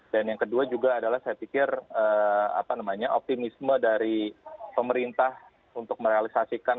dan yang kedua juga adalah saya pikir apa namanya optimisme dari pemerintah untuk merealisasikan